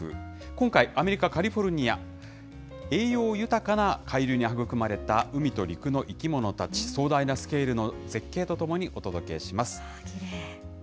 今回、アメリカ・カリフォルニア、栄養豊かな海流に育まれた海と陸の生き物たち、壮大なスケールの絶景とともにお届けします。